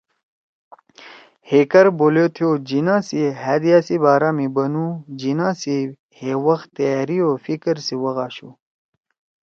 ہیکٹر بولیتھو (Hector Bolitho) جناح سی ہأ دِیا سی بارا می بنَدُو ”جناح سی ہے وَخ تیاری او فِکر سی وَخ آشُو